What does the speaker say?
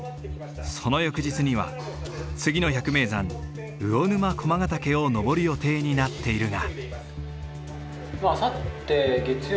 その翌日には次の百名山魚沼駒ヶ岳を登る予定になっているが。